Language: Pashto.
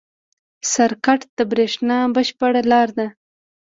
سرکټ د برېښنا بشپړ لاره ده.